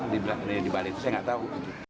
di balai itu saya gak tahu